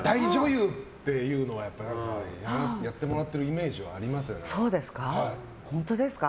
大女優っていうのはやってもらってるイメージは本当ですか？